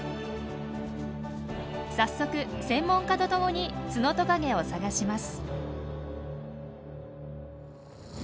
早速専門家と共にツノトカゲを探します。